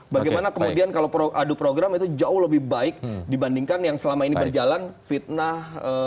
bagaimana kemudian kalau adu program itu jauh lebih baik dibandingkan yang selama ini berjalan fitnah